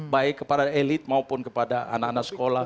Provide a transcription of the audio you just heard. baik kepada elit maupun kepada anak anak sekolah